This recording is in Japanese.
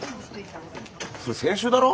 それ先週だろ！？